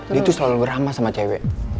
dia tuh selalu berama sama cewek